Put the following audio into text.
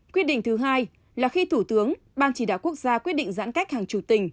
quyết định thứ hai là khi thủ tướng ban chỉ đạo quốc gia quyết định giãn cách hàng chủ tình